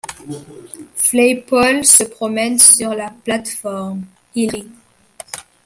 Flaypol se promène sur la plate-forme, il rit.